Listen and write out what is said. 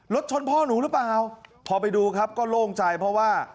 รถชนพ่อหนูหรือเปล่าพอไปดูครับก็โล่งใจเพราะว่า